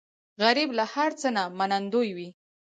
غریب له هر څه نه منندوی وي